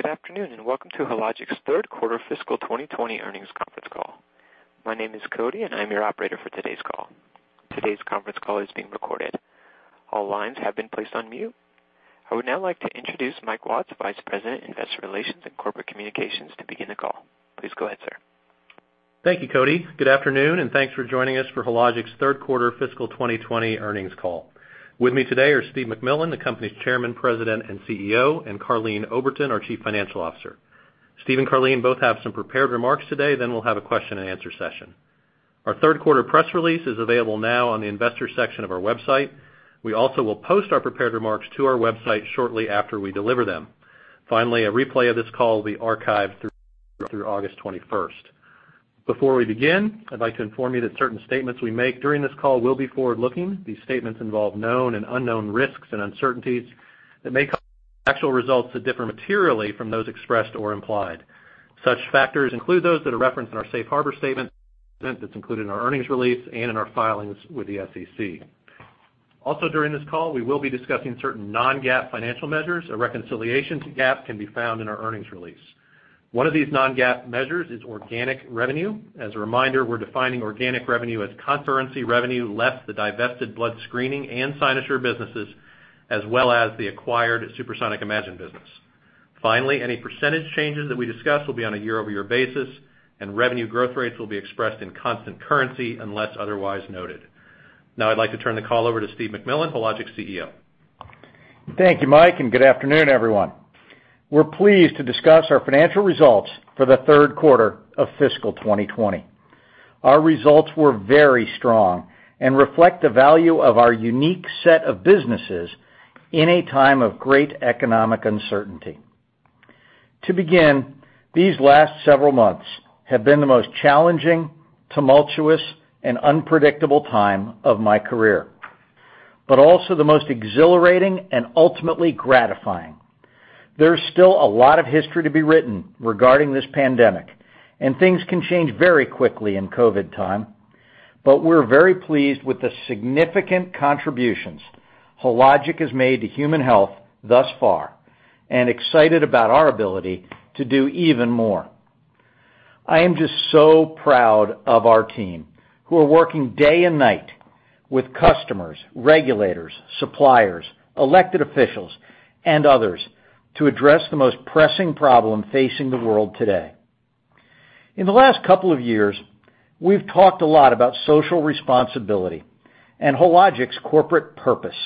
Good afternoon, welcome to Hologic's third quarter fiscal 2020 earnings conference call. My name is Cody, and I'm your operator for today's call. Today's conference call is being recorded. All lines have been placed on mute. I would now like to introduce Michael Watts, Vice President, Investor Relations and Corporate Communications, to begin the call. Please go ahead, sir. Thank you, Cody. Good afternoon, and thanks for joining us for Hologic's third quarter fiscal 2020 earnings call. With me today are Steve MacMillan, the company's Chairman, President, and CEO, and Karleen Oberton, our Chief Financial Officer. Steve and Karleen both have some prepared remarks today, then we'll have a question and answer session. Our third quarter press release is available now on the investors section of our website. We also will post our prepared remarks to our website shortly after we deliver them. Finally, a replay of this call will be archived through August 21st. Before we begin, I'd like to inform you that certain statements we make during this call will be forward-looking. These statements involve known and unknown risks and uncertainties that may cause actual results to differ materially from those expressed or implied. Such factors include those that are referenced in our safe harbor statement that's included in our earnings release and in our filings with the SEC. Also during this call, we will be discussing certain non-GAAP financial measures. A reconciliation to GAAP can be found in our earnings release. One of these non-GAAP measures is organic revenue. As a reminder, we're defining organic revenue as currency revenue less the divested blood screening and Cynosure businesses as well as the acquired SuperSonic Imagine business. Finally, any percentage changes that we discuss will be on a year-over-year basis, and revenue growth rates will be expressed in constant currency unless otherwise noted. Now I'd like to turn the call over to Steve MacMillan, Hologic's CEO. Thank you, Mike, good afternoon, everyone. We're pleased to discuss our financial results for the third quarter of fiscal 2020. Our results were very strong and reflect the value of our unique set of businesses in a time of great economic uncertainty. To begin, these last several months have been the most challenging, tumultuous, and unpredictable time of my career, but also the most exhilarating and ultimately gratifying. There's still a lot of history to be written regarding this pandemic, and things can change very quickly in COVID time. We're very pleased with the significant contributions Hologic has made to human health thus far, and excited about our ability to do even more. I am just so proud of our team, who are working day and night with customers, regulators, suppliers, elected officials, and others to address the most pressing problem facing the world today. In the last couple of years, we've talked a lot about social responsibility and Hologic's corporate purpose: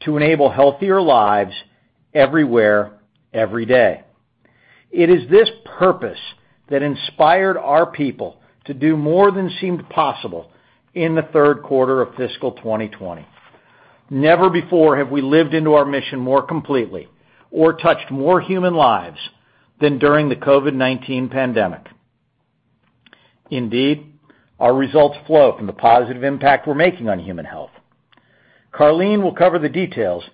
to enable healthier lives everywhere, every day. It is this purpose that inspired our people to do more than seemed possible in the third quarter of fiscal 2020. Never before have we lived into our mission more completely or touched more human lives than during the COVID-19 pandemic. Indeed, our results flow from the positive impact we're making on human health. Karleen will cover the details,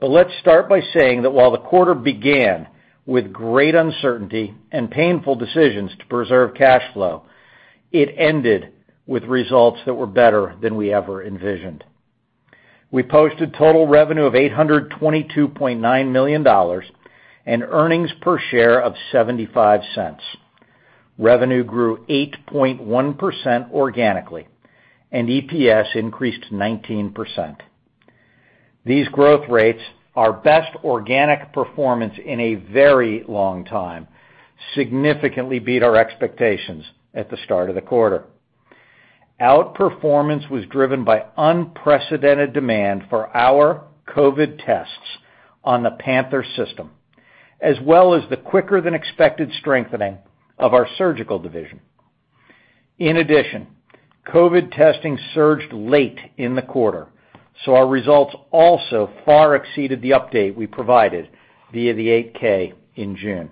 but let's start by saying that while the quarter began with great uncertainty and painful decisions to preserve cash flow, it ended with results that were better than we ever envisioned. We posted total revenue of $822.9 million and earnings per share of $0.75. Revenue grew 8.1% organically, and EPS increased 19%. These growth rates are best organic performance in a very long time, significantly beat our expectations at the start of the quarter. Outperformance was driven by unprecedented demand for our COVID tests on the Panther system, as well as the quicker than expected strengthening of our surgical division. In addition, COVID testing surged late in the quarter, so our results also far exceeded the update we provided via the 8-K in June.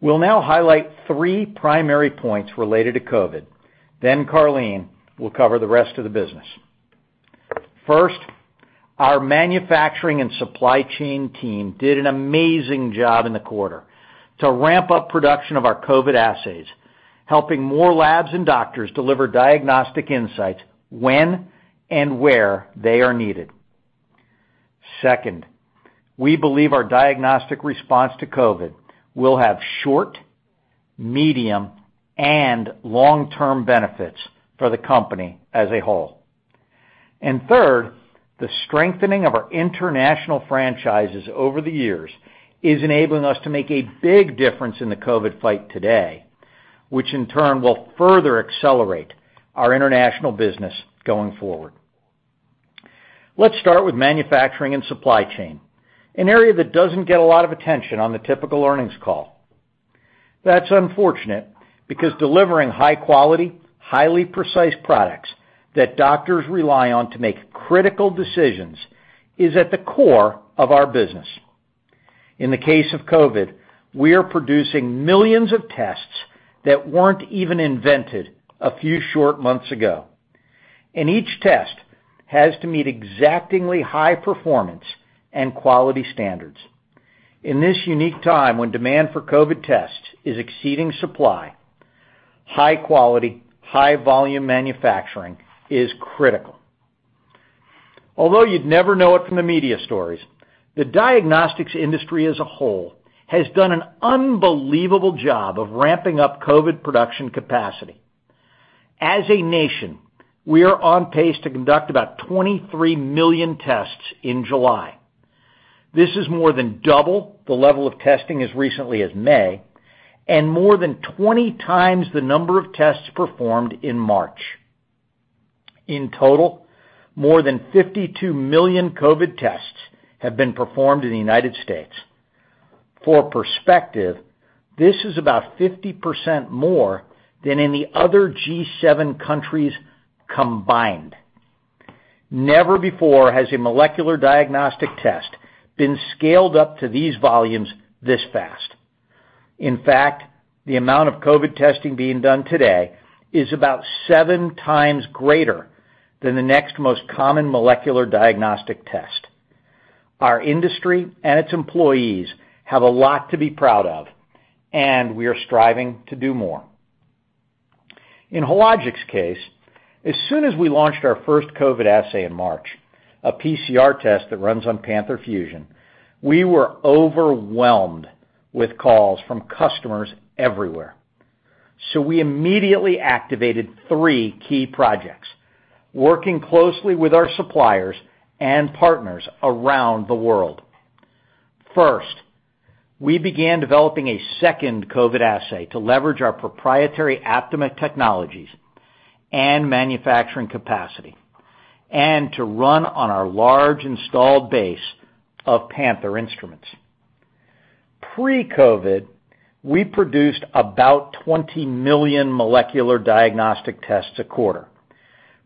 We'll now highlight three primary points related to COVID, then Karleen will cover the rest of the business. First, our manufacturing and supply chain team did an amazing job in the quarter to ramp up production of our COVID assays, helping more labs and doctors deliver diagnostic insights when and where they are needed. Second, we believe our diagnostic response to COVID will have short, medium, and long-term benefits for the company as a whole. Third, the strengthening of our international franchises over the years is enabling us to make a big difference in the COVID fight today, which in turn will further accelerate our international business going forward. Let's start with manufacturing and supply chain, an area that doesn't get a lot of attention on the typical earnings call. That's unfortunate because delivering high quality, highly precise products that doctors rely on to make critical decisions is at the core of our business. In the case of COVID, we are producing millions of tests that weren't even invented a few short months ago, and each test has to meet exactingly high performance and quality standards. In this unique time, when demand for COVID tests is exceeding supply, high quality, high volume manufacturing is critical. Although you'd never know it from the media stories, the diagnostics industry as a whole has done an unbelievable job of ramping up COVID production capacity. As a nation, we are on pace to conduct about 23 million tests in July. This is more than double the level of testing as recently as May, and more than 20 times the number of tests performed in March. In total, more than 52 million COVID tests have been performed in the United States. For perspective, this is about 50% more than in the other G7 countries combined. Never before has a molecular diagnostic test been scaled up to these volumes this fast. In fact, the amount of COVID testing being done today is about seven times greater than the next most common molecular diagnostic test. Our industry and its employees have a lot to be proud of, and we are striving to do more. In Hologic's case, as soon as we launched our first COVID assay in March, a PCR test that runs on Panther Fusion, we were overwhelmed with calls from customers everywhere. We immediately activated three key projects, working closely with our suppliers and partners around the world. First, we began developing a second COVID assay to leverage our proprietary Aptima technologies and manufacturing capacity, and to run on our large installed base of Panther instruments. Pre-COVID, we produced about 20 million molecular diagnostic tests a quarter,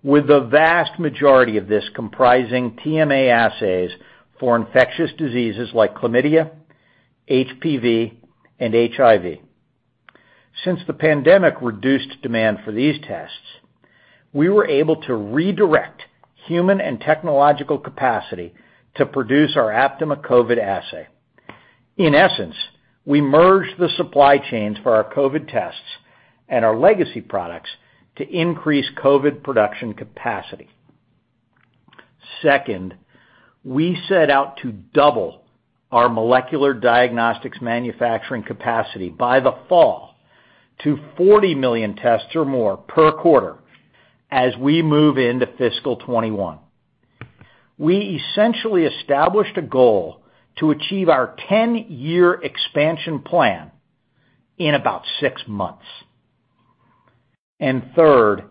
with the vast majority of this comprising TMA assays for infectious diseases like chlamydia, HPV, and HIV. Since the pandemic reduced demand for these tests, we were able to redirect human and technological capacity to produce our Aptima COVID assay. In essence, we merged the supply chains for our COVID tests and our legacy products to increase COVID production capacity. Second, we set out to double our molecular diagnostics manufacturing capacity by the fall to 40 million tests or more per quarter as we move into fiscal 2021. We essentially established a goal to achieve our 10-year expansion plan in about six months. Third,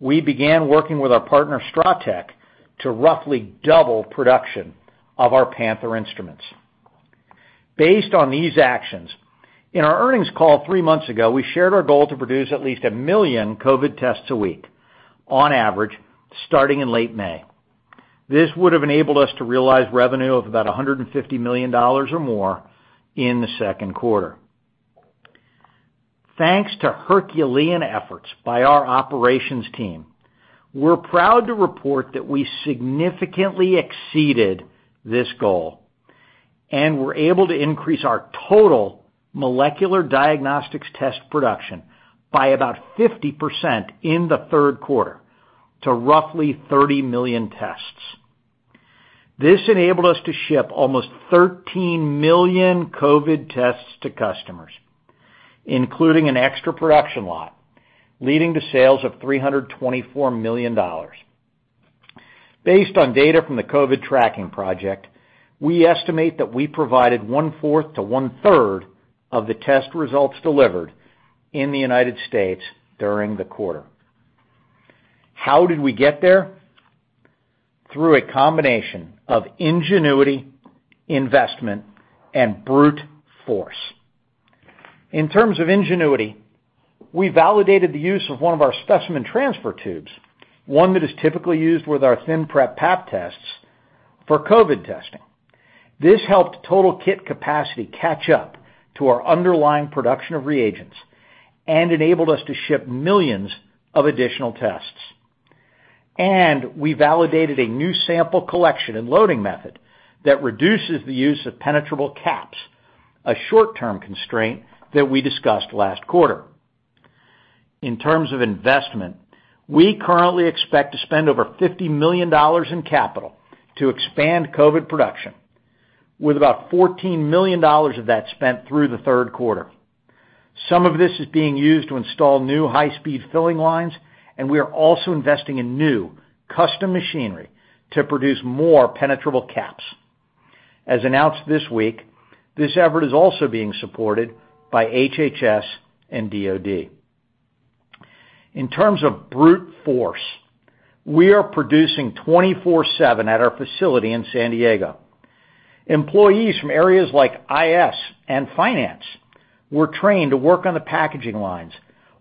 we began working with our partner, STRATEC, to roughly double production of our Panther instruments. Based on these actions, in our earnings call three months ago, we shared our goal to produce at least 1 million COVID tests a week on average, starting in late May. This would've enabled us to realize revenue of about $150 million or more in the second quarter. Thanks to Herculean efforts by our operations team, we're proud to report that we significantly exceeded this goal, and were able to increase our total molecular diagnostics test production by about 50% in the third quarter to roughly 30 million tests. This enabled us to ship almost 13 million COVID tests to customers, including an extra production lot, leading to sales of $324 million. Based on data from The COVID Tracking Project, we estimate that we provided 1/4 to 1/3 of the test results delivered in the United States during the quarter. How did we get there? Through a combination of ingenuity, investment, and brute force. In terms of ingenuity, we validated the use of one of our specimen transfer tubes, one that is typically used with our ThinPrep Pap tests for COVID testing. This helped total kit capacity catch up to our underlying production of reagents and enabled us to ship millions of additional tests. We validated a new sample collection and loading method that reduces the use of penetrable caps, a short-term constraint that we discussed last quarter. In terms of investment, we currently expect to spend over $50 million in capital to expand COVID production, with about $14 million of that spent through the third quarter. Some of this is being used to install new high-speed filling lines, and we are also investing in new custom machinery to produce more penetrable caps. As announced this week, this effort is also being supported by HHS and DoD. In terms of brute force, we are producing 24/7 at our facility in San Diego. Employees from areas like IS and finance were trained to work on the packaging lines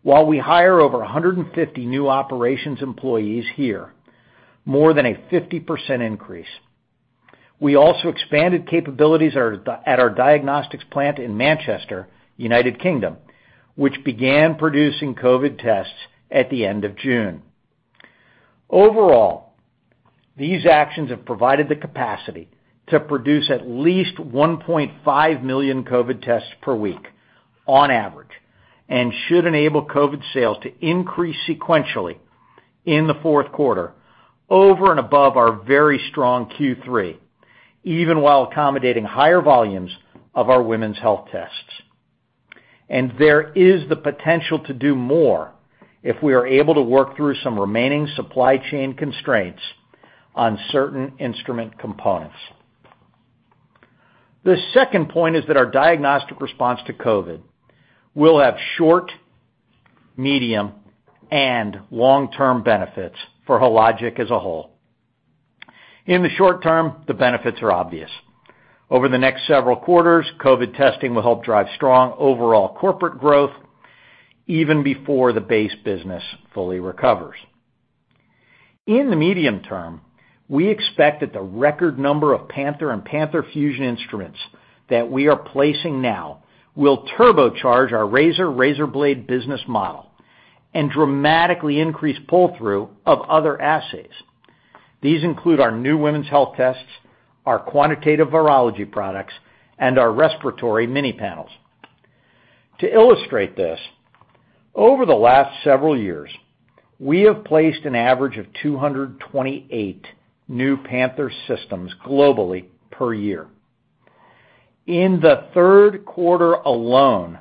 while we hire over 150 new operations employees here, more than a 50% increase. We also expanded capabilities at our diagnostics plant in Manchester, United Kingdom, which began producing COVID tests at the end of June. Overall, these actions have provided the capacity to produce at least 1.5 million COVID tests per week On average, and should enable COVID sales to increase sequentially in the fourth quarter over and above our very strong Q3, even while accommodating higher volumes of our women's health tests. There is the potential to do more if we are able to work through some remaining supply chain constraints on certain instrument components. The second point is that our diagnostic response to COVID will have short, medium, and long-term benefits for Hologic as a whole. In the short term, the benefits are obvious. Over the next several quarters, COVID testing will help drive strong overall corporate growth even before the base business fully recovers. In the medium term, we expect that the record number of Panther and Panther Fusion instruments that we are placing now will turbocharge our razor blade business model and dramatically increase pull-through of other assays. These include our new women's health tests, our quantitative virology products, and our respiratory mini panels. To illustrate this, over the last several years, we have placed an average of 228 new Panther systems globally per year. In the third quarter alone,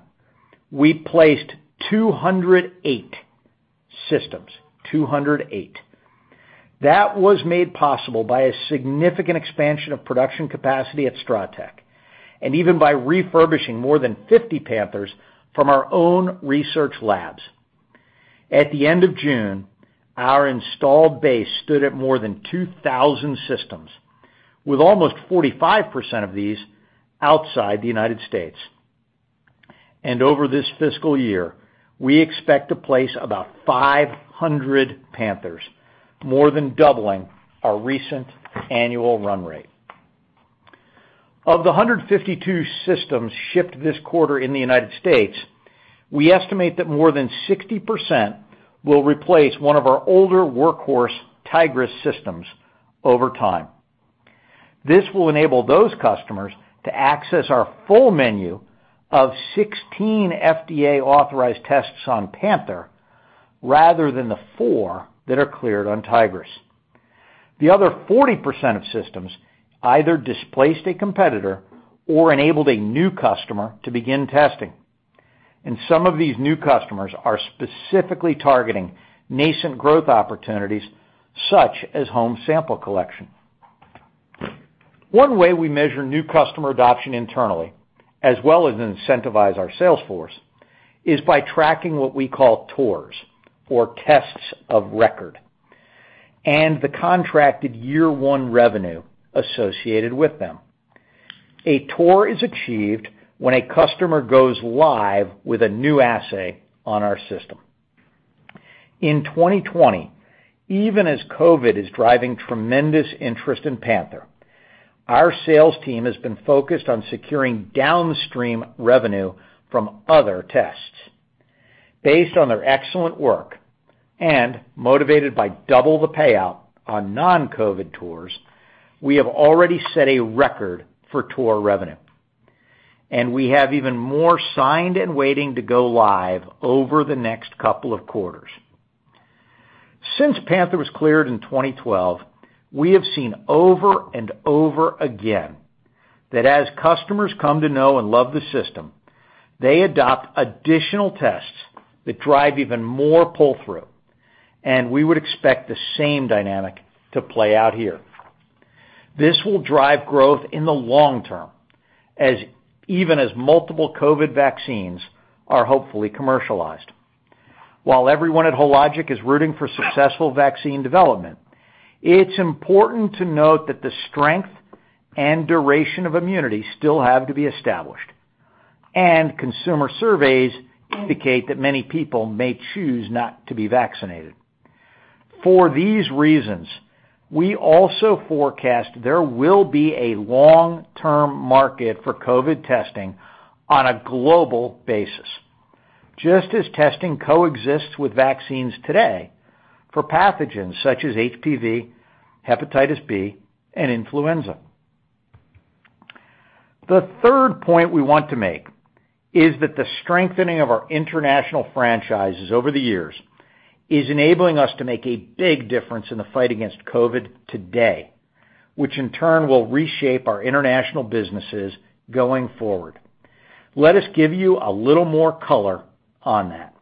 we placed 208 systems. 208. That was made possible by a significant expansion of production capacity at STRATEC, and even by refurbishing more than 50 Panthers from our own research labs. At the end of June, our installed base stood at more than 2,000 systems, with almost 45% of these outside the United States. Over this fiscal year, we expect to place about 500 Panthers, more than doubling our recent annual run rate. Of the 152 systems shipped this quarter in the United States, we estimate that more than 60% will replace one of our older workhorse Tigris systems over time. This will enable those customers to access our full menu of 16 FDA-authorized tests on Panther, rather than the four that are cleared on Tigris. The other 40% of systems either displaced a competitor or enabled a new customer to begin testing. Some of these new customers are specifically targeting nascent growth opportunities, such as home sample collection. One way we measure new customer adoption internally, as well as incentivize our sales force, is by tracking what we call TORs, or tests of record, and the contracted year one revenue associated with them. A TOR is achieved when a customer goes live with a new assay on our system. In 2020, even as COVID is driving tremendous interest in Panther, our sales team has been focused on securing downstream revenue from other tests. Based on their excellent work, and motivated by double the payout on non-COVID TORs, we have already set a record for TOR revenue. We have even more signed and waiting to go live over the next couple of quarters. Since Panther was cleared in 2012, we have seen over and over again that as customers come to know and love the system, they adopt additional tests that drive even more pull-through, and we would expect the same dynamic to play out here. This will drive growth in the long term, even as multiple COVID vaccines are hopefully commercialized. While everyone at Hologic is rooting for successful vaccine development, it's important to note that the strength and duration of immunity still have to be established. Consumer surveys indicate that many people may choose not to be vaccinated. For these reasons, we also forecast there will be a long-term market for COVID testing on a global basis, just as testing coexists with vaccines today for pathogens such as HPV, hepatitis B, and influenza. The third point we want to make is that the strengthening of our international franchises over the years is enabling us to make a big difference in the fight against COVID today, which in turn will reshape our international businesses going forward. Let us give you a little more color on that.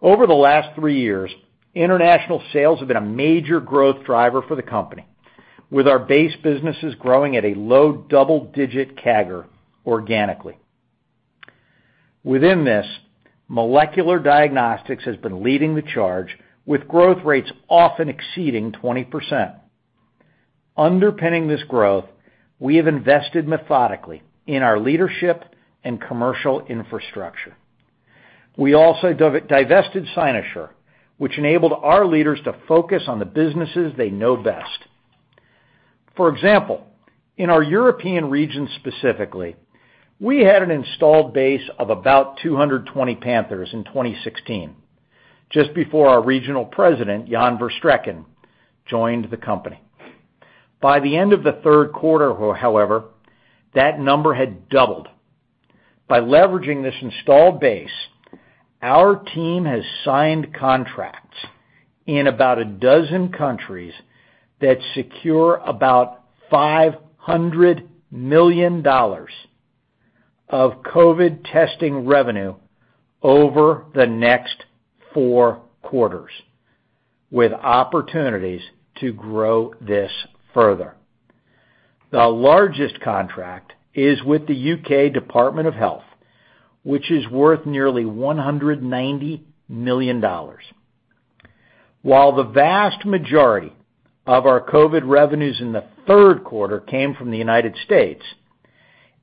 Over the last three years, international sales have been a major growth driver for the company, with our base businesses growing at a low double-digit CAGR organically. Within this, molecular diagnostics has been leading the charge with growth rates often exceeding 20%. Underpinning this growth, we have invested methodically in our leadership and commercial infrastructure. We also divested Cynosure, which enabled our leaders to focus on the businesses they know best. For example, in our European region specifically, we had an installed base of about 220 Panther in 2016, just before our regional president, Jan Verstreken, joined the company. By the end of the third quarter, however, that number had doubled. By leveraging this installed base, our team has signed contracts in about 12 countries that secure about $500 million of COVID testing revenue over the next four quarters, with opportunities to grow this further. The largest contract is with the U.K. Department of Health, which is worth nearly $190 million. While the vast majority of our COVID revenues in the third quarter came from the United States,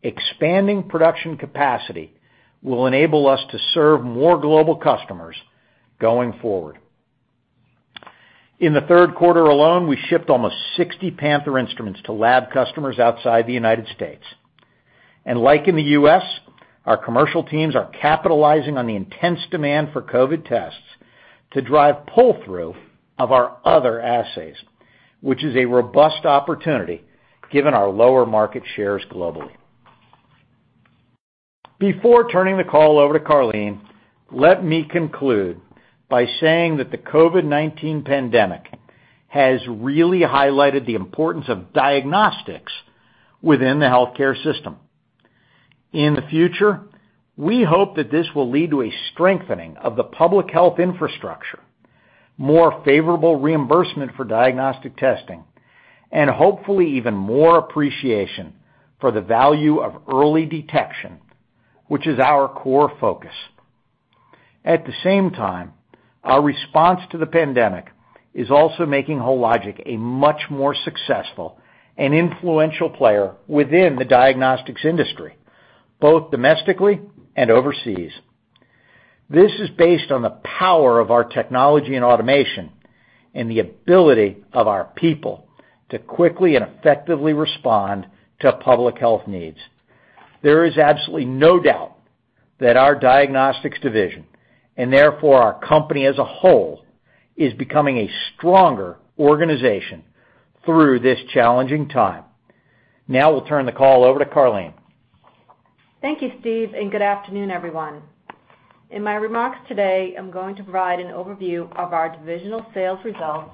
expanding production capacity will enable us to serve more global customers going forward. In the third quarter alone, we shipped almost 60 Panther instruments to lab customers outside the United States. Like in the U.S., our commercial teams are capitalizing on the intense demand for COVID-19 tests to drive pull-through of our other assays, which is a robust opportunity given our lower market shares globally. Before turning the call over to Karleen, let me conclude by saying that the COVID-19 pandemic has really highlighted the importance of diagnostics within the healthcare system. In the future, we hope that this will lead to a strengthening of the public health infrastructure, more favorable reimbursement for diagnostic testing, and hopefully even more appreciation for the value of early detection, which is our core focus. At the same time, our response to the pandemic is also making Hologic a much more successful and influential player within the diagnostics industry, both domestically and overseas. This is based on the power of our technology and automation and the ability of our people to quickly and effectively respond to public health needs. There is absolutely no doubt that our diagnostics division, and therefore our company as a whole, is becoming a stronger organization through this challenging time. Now I'll turn the call over to Karleen. Thank you, Steve, and good afternoon, everyone. In my remarks today, I'm going to provide an overview of our divisional sales results,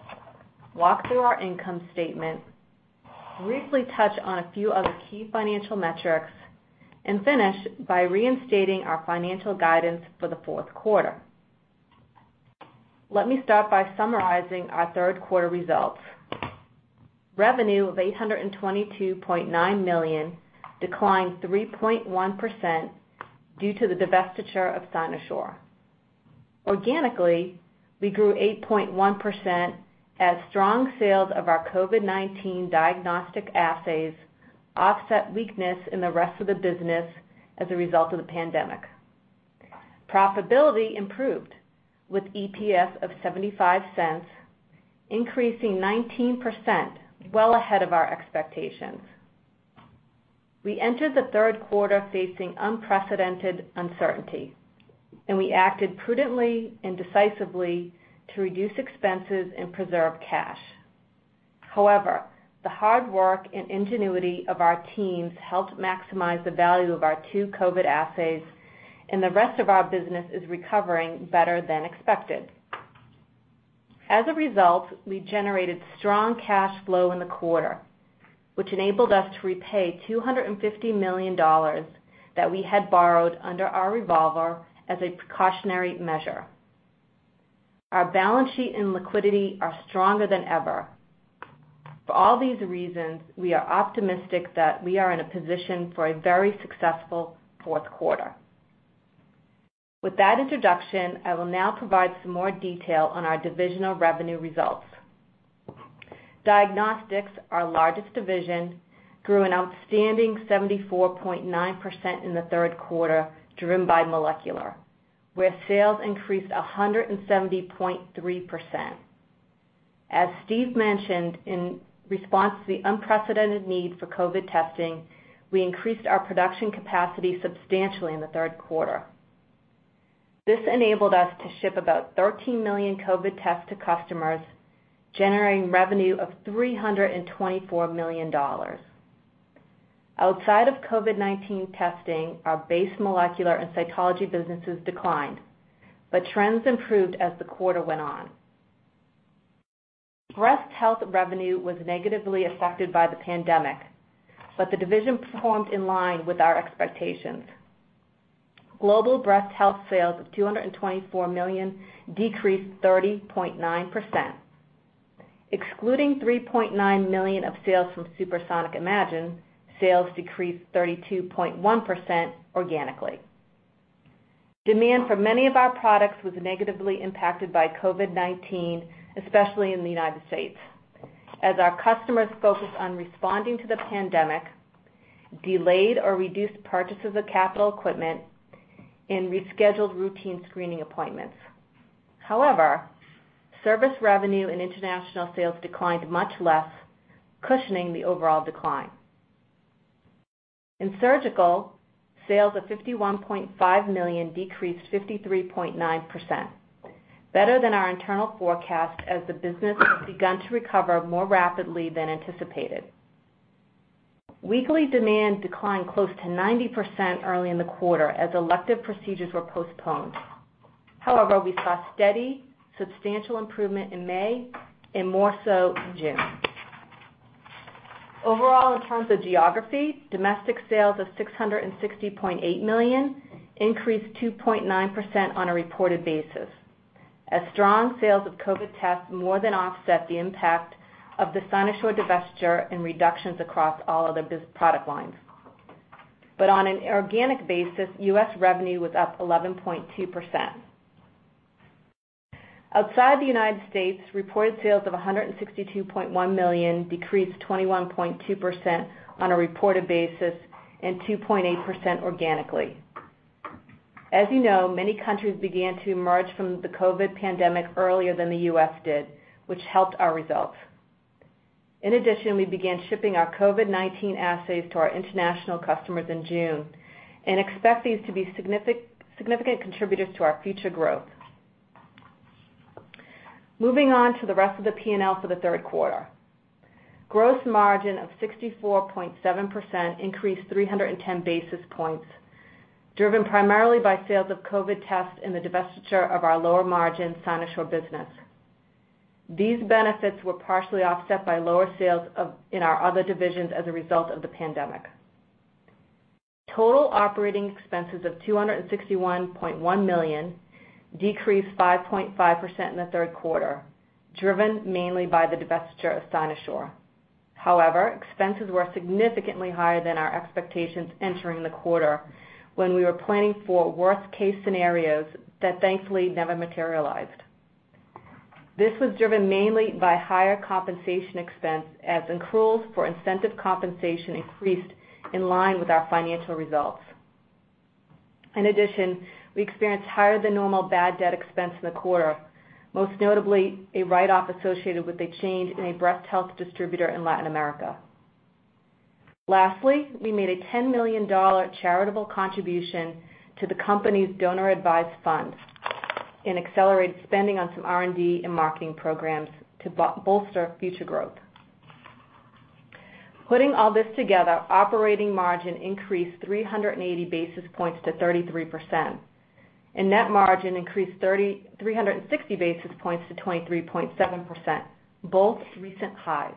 walk through our income statement, briefly touch on a few of the key financial metrics, and finish by reinstating our financial guidance for the fourth quarter. Let me start by summarizing our third quarter results. Revenue of $822.9 million, declined 3.1% due to the divestiture of Cynosure. Organically, we grew 8.1% as strong sales of our COVID-19 diagnostic assays offset weakness in the rest of the business as a result of the pandemic. Profitability improved, with EPS of $0.75, increasing 19%, well ahead of our expectations. We entered the third quarter facing unprecedented uncertainty, and we acted prudently and decisively to reduce expenses and preserve cash. However, the hard work and ingenuity of our teams helped maximize the value of our two COVID assays, and the rest of our business is recovering better than expected. As a result, we generated strong cash flow in the quarter, which enabled us to repay $250 million that we had borrowed under our revolver as a precautionary measure. Our balance sheet and liquidity are stronger than ever. For all these reasons, we are optimistic that we are in a position for a very successful fourth quarter. With that introduction, I will now provide some more detail on our divisional revenue results. Diagnostics, our largest division, grew an outstanding 74.9% in the third quarter, driven by molecular, where sales increased 170.3%. As Steve mentioned, in response to the unprecedented need for COVID testing, we increased our production capacity substantially in the third quarter. This enabled us to ship about 13 million COVID tests to customers, generating revenue of $324 million. Outside of COVID-19 testing, our base molecular and cytology businesses declined, but trends improved as the quarter went on. Breast health revenue was negatively affected by the pandemic, but the division performed in line with our expectations. Global breast health sales of $224 million decreased 30.9%. Excluding $3.9 million of sales from SuperSonic Imagine, sales decreased 32.1% organically. Demand for many of our products was negatively impacted by COVID-19, especially in the United States, as our customers focused on responding to the pandemic, delayed or reduced purchases of capital equipment, and rescheduled routine screening appointments. Service revenue and international sales declined much less, cushioning the overall decline. In surgical, sales of $51.5 million decreased 53.9%, better than our internal forecast as the business has begun to recover more rapidly than anticipated. Weekly demand declined close to 90% early in the quarter as elective procedures were postponed. However, we saw steady, substantial improvement in May and more so in June. Overall, in terms of geography, domestic sales of $660.8 million increased 2.9% on a reported basis. Strong sales of COVID tests more than offset the impact of the Cynosure divestiture and reductions across all other product lines. On an organic basis, U.S. revenue was up 11.2%. Outside the United States, reported sales of $162.1 million decreased 21.2% on a reported basis and 2.8% organically. You know, many countries began to emerge from the COVID pandemic earlier than the U.S. did, which helped our results. In addition, we began shipping our COVID-19 assays to our international customers in June and expect these to be significant contributors to our future growth. Moving on to the rest of the P&L for the third quarter. Gross margin of 64.7% increased 310 basis points, driven primarily by sales of COVID tests and the divestiture of our lower-margin Cynosure business. These benefits were partially offset by lower sales in our other divisions as a result of the pandemic. Total operating expenses of $261.1 million decreased 5.5% in the third quarter, driven mainly by the divestiture of Cynosure. However, expenses were significantly higher than our expectations entering the quarter when we were planning for worst-case scenarios that thankfully never materialized. This was driven mainly by higher compensation expense, as accruals for incentive compensation increased in line with our financial results. In addition, we experienced higher-than-normal bad debt expense in the quarter, most notably a write-off associated with a change in a breast health distributor in Latin America. Lastly, we made a $10 million charitable contribution to the company's donor-advised fund and accelerated spending on some R&D and marketing programs to bolster future growth. Putting all this together, operating margin increased 380 basis points to 33%, and net margin increased 360 basis points to 23.7%, both recent highs.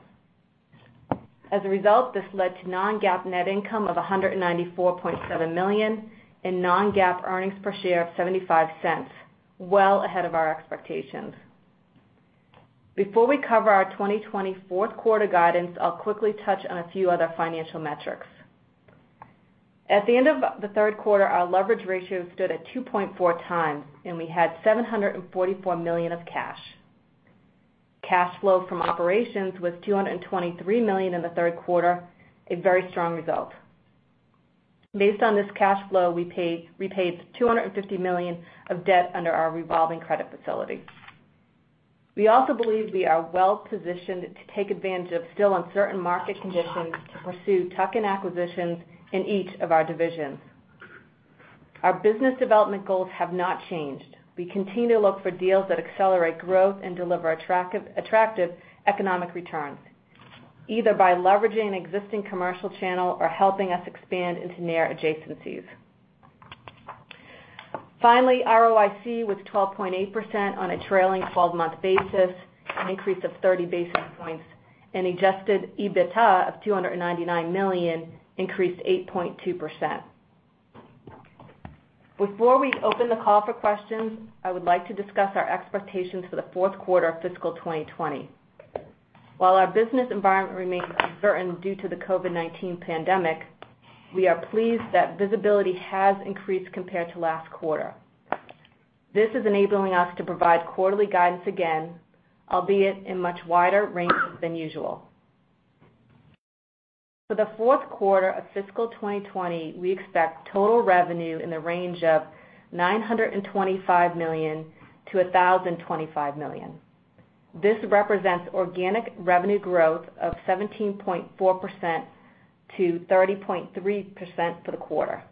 As a result, this led to non-GAAP net income of $194.7 million and non-GAAP earnings per share of $0.75, well ahead of our expectations. Before we cover our 2020 fourth quarter guidance, I'll quickly touch on a few other financial metrics. At the end of the third quarter, our leverage ratio stood at 2.4 times, and we had $744 million of cash. Cash flow from operations was $223 million in the third quarter, a very strong result. Based on this cash flow, we paid $250 million of debt under our revolving credit facility. We also believe we are well positioned to take advantage of still uncertain market conditions to pursue tuck-in acquisitions in each of our divisions. Our business development goals have not changed. We continue to look for deals that accelerate growth and deliver attractive economic returns, either by leveraging an existing commercial channel or helping us expand into near adjacencies. Finally, ROIC was 12.8% on a trailing 12-month basis, an increase of 30 basis points, and adjusted EBITDA of $299 million increased 8.2%. Before we open the call for questions, I would like to discuss our expectations for the fourth quarter of fiscal 2020. While our business environment remains uncertain due to the COVID-19 pandemic, we are pleased that visibility has increased compared to last quarter. This is enabling us to provide quarterly guidance again, albeit in much wider ranges than usual. For the fourth quarter of fiscal 2020, we expect total revenue in the range of $925 million-$1,025 million. This represents organic revenue growth of 17.4%-30.3% for the quarter.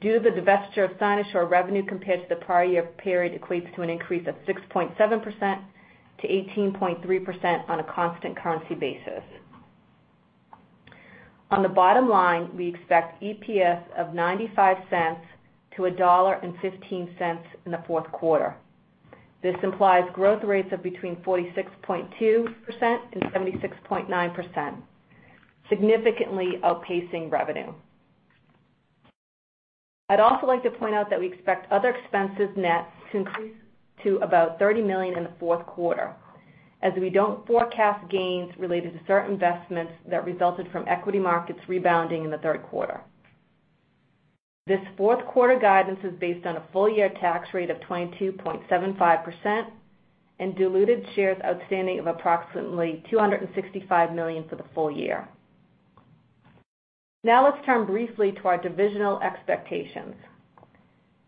Due to the divestiture of Cynosure, revenue compared to the prior year period equates to an increase of 6.7%-18.3% on a constant currency basis. On the bottom line, we expect EPS of $0.95-$1.15 in the fourth quarter. This implies growth rates of between 46.2% and 76.9%, significantly outpacing revenue. I'd also like to point out that we expect other expenses net to increase to about $30 million in the fourth quarter, as we don't forecast gains related to certain investments that resulted from equity markets rebounding in the third quarter. This fourth quarter guidance is based on a full-year tax rate of 22.75% and diluted shares outstanding of approximately 265 million for the full year. Let's turn briefly to our divisional expectations.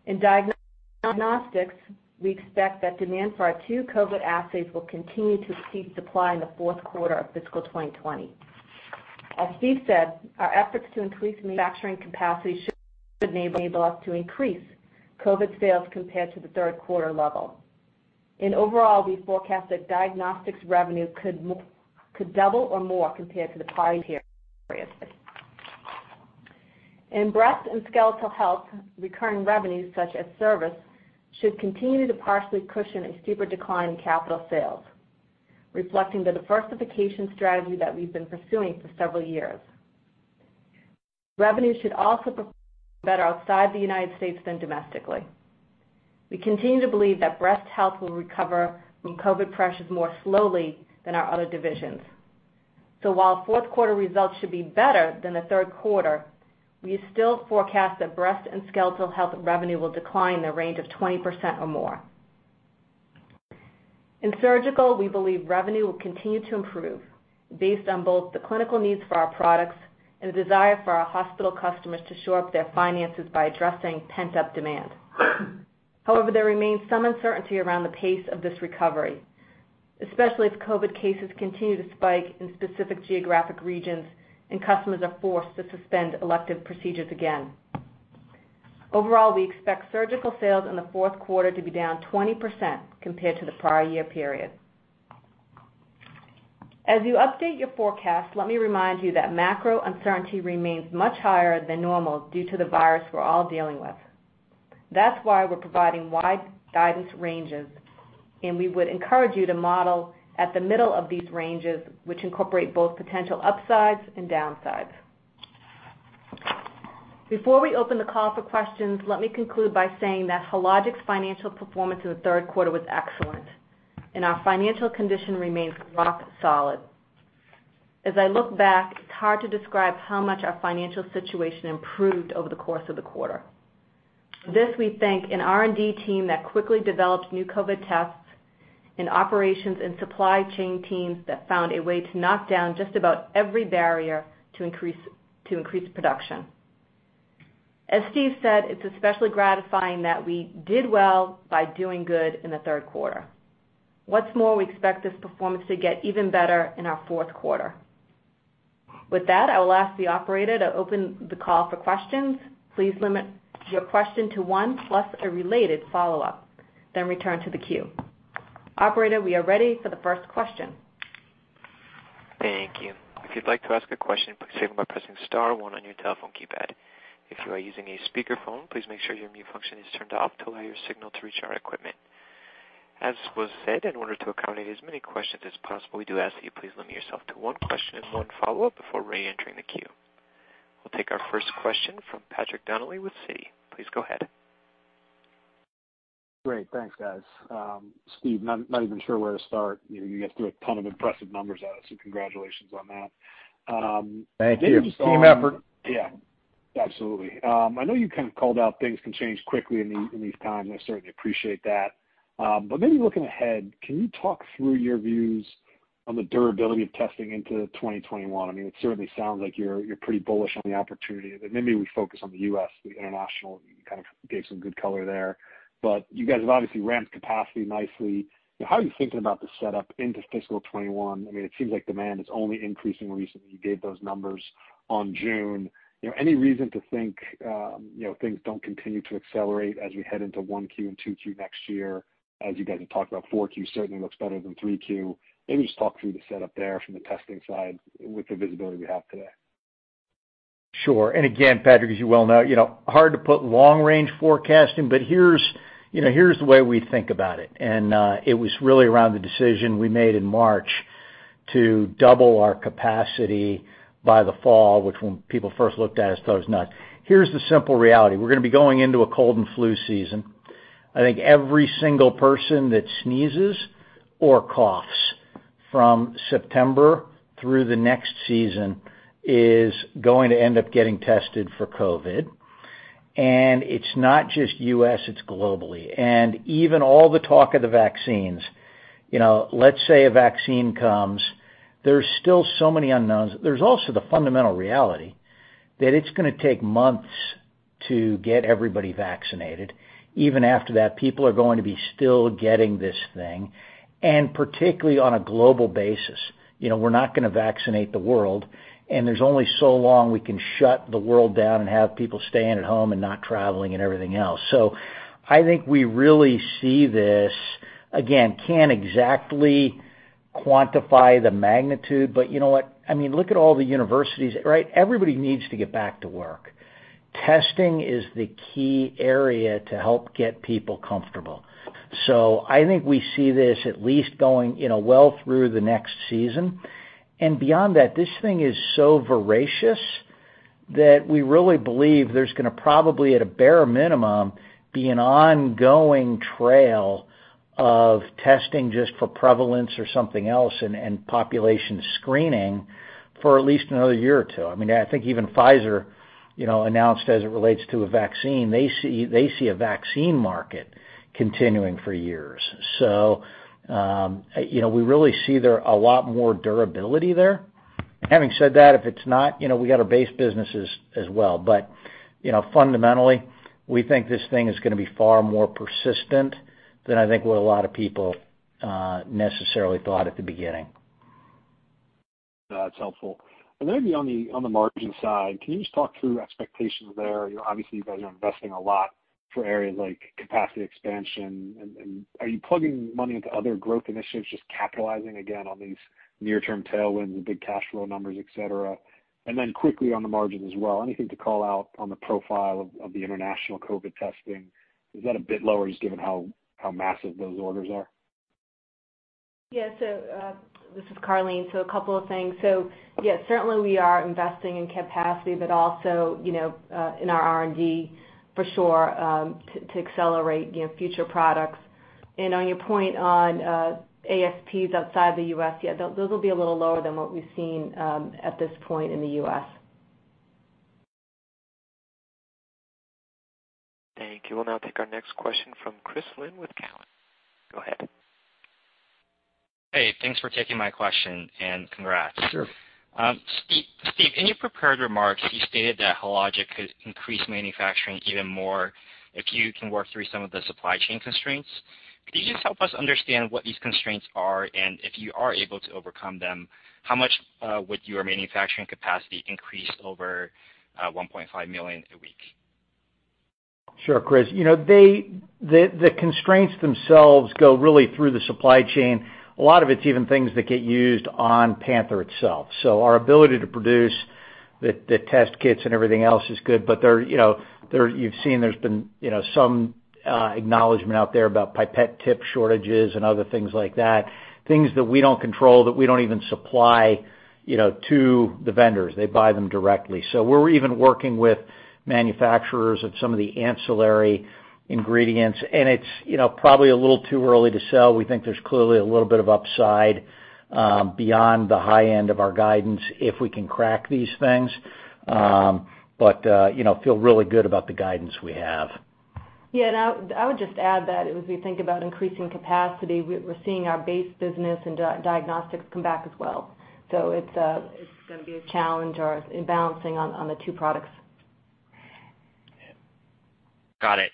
In diagnostics, we expect that demand for our two COVID assays will continue to exceed supply in the fourth quarter of fiscal 2020. As Steve said, our efforts to increase manufacturing capacity should enable us to increase COVID sales compared to the third quarter level. In overall, we forecast that diagnostics revenue could double or more compared to the prior year period. In breast and skeletal health, recurring revenues such as service should continue to partially cushion a steeper decline in capital sales, reflecting the diversification strategy that we've been pursuing for several years. Revenues should also perform better outside the United States than domestically. We continue to believe that breast health will recover from COVID pressures more slowly than our other divisions. While fourth quarter results should be better than the third quarter, we still forecast that breast and skeletal health revenue will decline in the range of 20% or more. In surgical, we believe revenue will continue to improve based on both the clinical needs for our products and the desire for our hospital customers to shore up their finances by addressing pent-up demand. There remains some uncertainty around the pace of this recovery, especially if COVID cases continue to spike in specific geographic regions and customers are forced to suspend elective procedures again. Overall, we expect surgical sales in the fourth quarter to be down 20% compared to the prior year period. As you update your forecast, let me remind you that macro uncertainty remains much higher than normal due to the virus we're all dealing with. That's why we're providing wide guidance ranges, and we would encourage you to model at the middle of these ranges, which incorporate both potential upsides and downsides. Before we open the call for questions, let me conclude by saying that Hologic's financial performance in the third quarter was excellent, and our financial condition remains rock solid. As I look back, it's hard to describe how much our financial situation improved over the course of the quarter. This, we thank an R&D team that quickly developed new COVID tests and operations and supply chain teams that found a way to knock down just about every barrier to increase production. As Steve said, it's especially gratifying that we did well by doing good in the third quarter. What's more, we expect this performance to get even better in our fourth quarter. With that, I will ask the operator to open the call for questions. Please limit your question to one plus a related follow-up, then return to the queue. Operator, we are ready for the first question. Thank you. If you'd like to ask a question, please signal by pressing star one on your telephone keypad. If you are using a speakerphone, please make sure your mute function is turned off to allow your signal to reach our equipment. As was said, in order to accommodate as many questions as possible, we do ask that you please limit yourself to one question and one follow-up before reentering the queue. We'll take our first question from Patrick Donnelly with Citi. Please go ahead. Great. Thanks, guys. Steve, not even sure where to start. You guys threw a ton of impressive numbers at us. Congratulations on that. Thank you. Team effort. Yeah, absolutely. I know you kind of called out things can change quickly in these times. I certainly appreciate that. Maybe looking ahead, can you talk through your views on the durability of testing into 2021? It certainly sounds like you're pretty bullish on the opportunity. Maybe we focus on the U.S., the international, you kind of gave some good color there. You guys have obviously ramped capacity nicely. How are you thinking about the setup into fiscal 2021? It seems like demand is only increasing recently. You gave those numbers on June. Any reason to think things don't continue to accelerate as we head into 1Q and 2Q next year? As you guys have talked about, 4Q certainly looks better than 3Q. Maybe just talk through the setup there from the testing side with the visibility we have today. Sure. And again, Patrick, as you well know, hard to put long range forecasting, here's the way we think about it. It was really around the decision we made in March to double our capacity by the fall, which when people first looked at us, thought it was nuts. Here's the simple reality. We're going to be going into a cold and flu season. I think every single person that sneezes or coughs from September through the next season is going to end up getting tested for COVID. It's not just U.S., it's globally. Even all the talk of the vaccines. Let's say a vaccine comes, there's still so many unknowns. There's also the fundamental reality that it's going to take months to get everybody vaccinated. Even after that, people are going to be still getting this thing, and particularly on a global basis. We're not going to vaccinate the world, and there's only so long we can shut the world down and have people staying at home and not traveling and everything else. I think we really see this, again, can't exactly quantify the magnitude, but you know what? Look at all the universities. Everybody needs to get back to work. Testing is the key area to help get people comfortable. I think we see this at least going well through the next season. Beyond that, this thing is so voracious that we really believe there's going to probably, at a bare minimum, be an ongoing trail of testing just for prevalence or something else and population screening for at least another year or two. I think even Pfizer announced as it relates to a vaccine, they see a vaccine market continuing for years. We really see there a lot more durability there. Having said that, if it's not, we got our base businesses as well. Fundamentally, we think this thing is going to be far more persistent than I think what a lot of people necessarily thought at the beginning. That's helpful. Maybe on the margin side, can you just talk through expectations there? Obviously, you guys are investing a lot for areas like capacity expansion. Are you plugging money into other growth initiatives, just capitalizing again on these near-term tailwinds and big cash flow numbers, et cetera? Quickly on the margin as well, anything to call out on the profile of the international COVID testing? Is that a bit lower just given how massive those orders are? This is Karleen. A couple of things. Certainly we are investing in capacity, but also in our R&D for sure, to accelerate future products. On your point on ASPs outside the U.S. those will be a little lower than what we've seen at this point in the U.S. Thank you. We'll now take our next question from Chris Lin with Cowen. Go ahead. Hey, thanks for taking my question, and congrats. Sure. Steve, in your prepared remarks, you stated that Hologic could increase manufacturing even more if you can work through some of the supply chain constraints. Could you just help us understand what these constraints are? If you are able to overcome them, how much would your manufacturing capacity increase over 1.5 million a week? Sure, Chris. The constraints themselves go really through the supply chain. A lot of it's even things that get used on Panther itself. Our ability to produce the test kits and everything else is good, but you've seen there's been some acknowledgment out there about pipette tip shortages and other things like that, things that we don't control, that we don't even supply to the vendors. They buy them directly. We're even working with manufacturers of some of the ancillary ingredients. It's probably a little too early to tell. We think there's clearly a little bit of upside beyond the high end of our guidance if we can crack these things. We feel really good about the guidance we have. I would just add that as we think about increasing capacity, we're seeing our base business and diagnostics come back as well. It's going to be a challenge in balancing on the two products. Got it.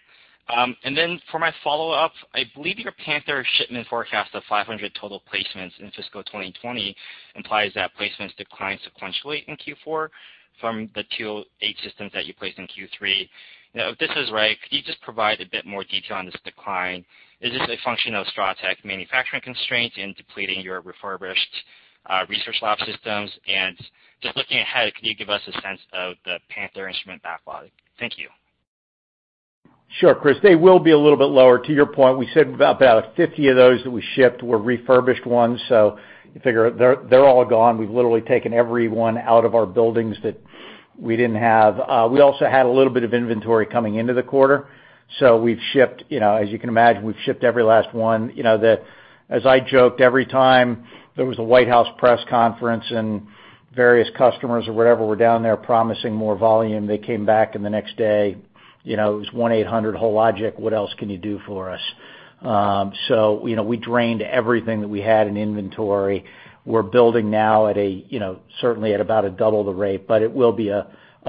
For my follow-up, I believe your Panther shipment forecast of 500 total placements in fiscal 2020 implies that placements declined sequentially in Q4 from the 208 systems that you placed in Q3. If this is right, could you just provide a bit more detail on this decline? Is this a function of STRATEC manufacturing constraints in depleting your refurbished research lab systems? Just looking ahead, could you give us a sense of the Panther instrument backlog? Thank you. Sure, Chris. They will be a little bit lower. To your point, we said about 50 of those that we shipped were refurbished ones. You figure they're all gone. We've literally taken every one out of our buildings that we didn't have. We also had a little bit of inventory coming into the quarter. As you can imagine, we've shipped every last one. As I joked, every time there was a White House press conference and various customers or whatever were down there promising more volume, they came back and the next day, it was 1-800-Hologic, what else can you do for us? We drained everything that we had in inventory. We're building now certainly at about double the rate, but it will be a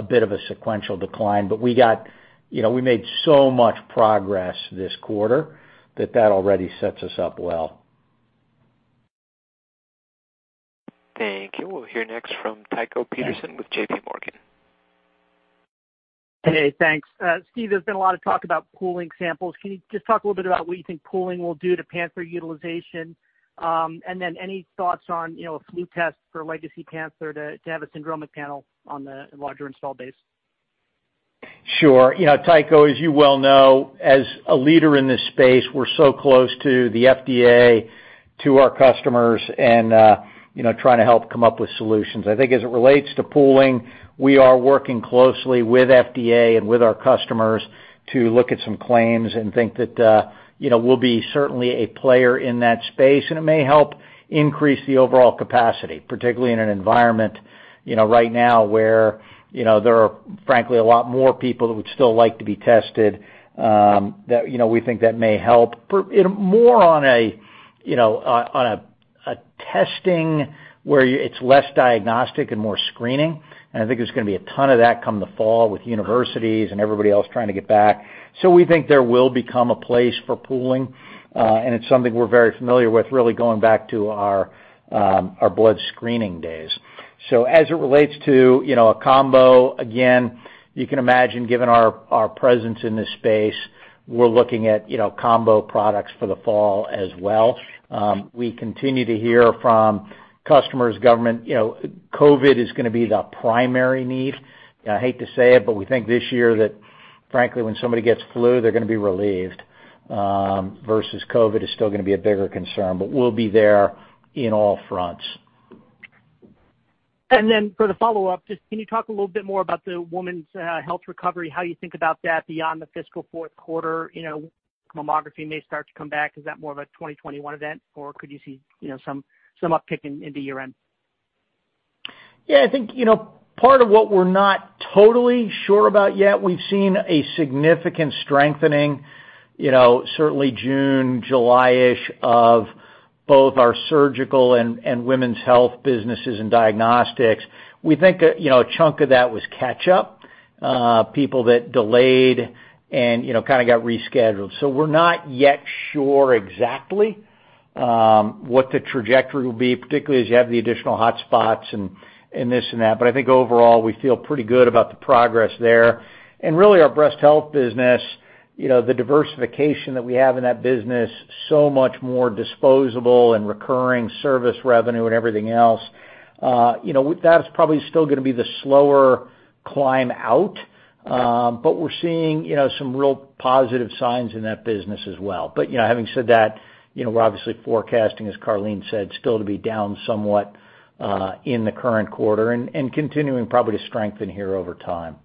bit of a sequential decline. We made so much progress this quarter that that already sets us up well. Thank you. We'll hear next from Tycho Peterson with JPMorgan. Hey, thanks. Steve, there's been a lot of talk about pooling samples. Can you just talk a little bit about what you think pooling will do to Panther utilization? Any thoughts on a flu test for legacy Panther to have a syndromic panel on the larger install base? Sure. Tycho, as you well know, as a leader in this space, we're so close to the FDA, to our customers, and trying to help come up with solutions. I think as it relates to pooling, we are working closely with FDA and with our customers to look at some claims and think that we'll be certainly a player in that space, and it may help increase the overall capacity, particularly in an environment right now where there are frankly a lot more people who would still like to be tested, that we think that may help. More on a testing where it's less diagnostic and more screening, I think there's going to be a ton of that come the fall with universities and everybody else trying to get back. We think there will become a place for pooling. It's something we're very familiar with, really going back to our blood screening days. As it relates to a combo, again, you can imagine, given our presence in this space, we're looking at combo products for the fall as well. We continue to hear from customers, government. COVID is going to be the primary need. I hate to say it, but we think this year that frankly, when somebody gets flu, they're going to be relieved, versus COVID is still going to be a bigger concern. We'll be there in all fronts. For the follow-up, just can you talk a little bit more about the women's health recovery, how you think about that beyond the fiscal fourth quarter? Mammography may start to come back. Is that more of a 2021 event, or could you see some uptick in the year-end? Yeah, I think part of what we're not totally sure about yet, we've seen a significant strengthening. Certainly June, July-ish of both our Surgical and Women's Health businesses and Diagnostics, we think a chunk of that was catch-up, people that delayed and got rescheduled. We're not yet sure exactly what the trajectory will be, particularly as you have the additional hotspots and this and that. I think overall, we feel pretty good about the progress there. Really our Breast Health business, the diversification that we have in that business, so much more disposable and recurring service revenue and everything else, that's probably still going to be the slower climb out. We're seeing some real positive signs in that business as well. Having said that, we're obviously forecasting, as Karleen said, still to be down somewhat in the current quarter and continuing probably to strengthen here over time.